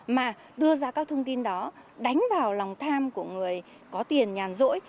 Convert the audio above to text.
mà đưa ra các thông tin đó đánh vào lòng tham của người có tiền nhàn dỗi